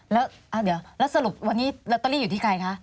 อ๋อแล้วสรุปวันนี้ลอตเตอรี่อยู่ที่ใครคะ